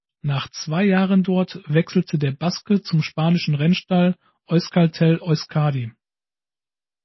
Nach zwei Jahren dort wechselte der Baske zum spanischen Rennstall Euskaltel-Euskadi.